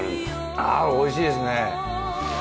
あおいしいですね。